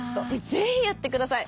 ぜひやって下さい！